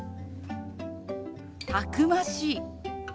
「たくましい」。